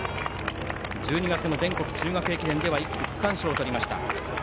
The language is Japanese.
１２月の全国中学駅伝では１区区間賞をとりました。